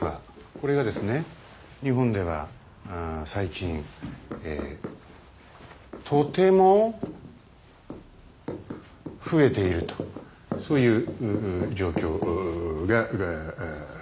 これがですね日本ではあ最近えとても増えているとそういう状況がございます。